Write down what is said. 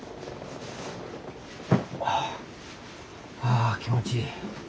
あ気持ちいい。